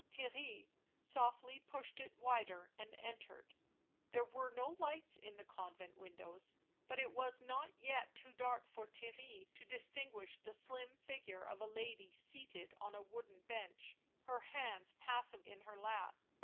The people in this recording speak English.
Theirry softly pushed it wider and entered. There were no lights in the convent windows, but it was not yet too dark for Theirry to dis tinguish the slim figure of a lady seated on a wooden bench, her hands passive in her lap.